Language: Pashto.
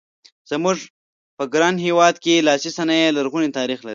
زموږ په ګران هېواد کې لاسي صنایع لرغونی تاریخ لري.